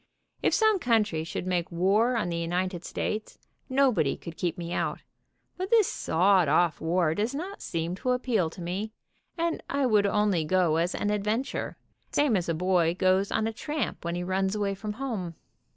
If some country should make war on the United States nobody could keep me out, but this sawed off war does not seem to appeal to me, and I would only go as an adventure, same as a boy goes on a tramp when he runs away from home.